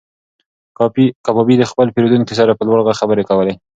کبابي د خپل پیرودونکي سره په لوړ غږ خبرې کولې.